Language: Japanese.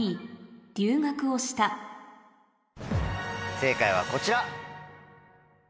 正解はこちら。